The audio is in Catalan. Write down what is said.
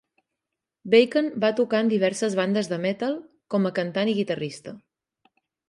Bacon va tocar en diverses bandes de metal, com a cantant i guitarrista.